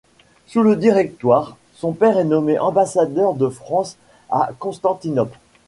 Sous le Directoire, son père est nommé ambassadeur de France à Constantinople.